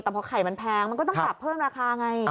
แต่พอไข่มันแพงมันก็ต้องปรับเพิ่มราคาไง